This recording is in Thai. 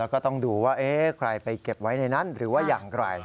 แล้วก็ต้องดูว่าใครไปเก็บไว้ในนั้นหรือว่าอย่างไร